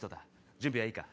準備はいいか？